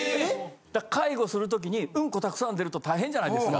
介護するときにウンコたくさん出ると大変じゃないですか。